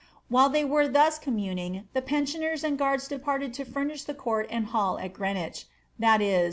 While they were thus communing, the pensioners and guards departed to furnish the court and hall at Greenwich,'^ that is.